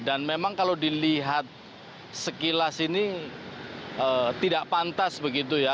dan memang kalau dilihat sekilas ini tidak pantas begitu ya